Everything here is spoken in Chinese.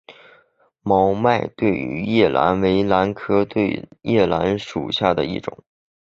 毛脉对叶兰为兰科对叶兰属下的一个种。